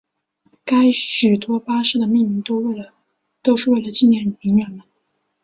许多巴士的命名都是为了纪念名人们。